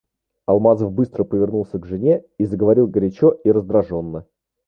Алмазов быстро повернулся к жене и заговорил горячо и раздражённо.